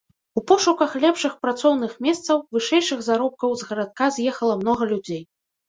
У пошуках лепшых працоўных месцаў, вышэйшых заробкаў з гарадка з'ехала многа людзей.